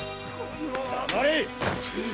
黙れ！